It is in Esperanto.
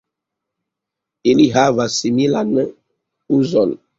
Ili havas similan uzon.